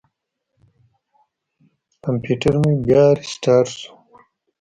کمپیوټر مې بیا ریستارټ شو.